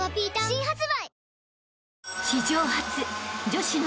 新発売